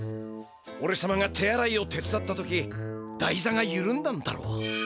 おれさまが手あらいをてつだった時だいざがゆるんだんだろう。